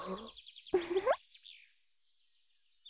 ウフフ。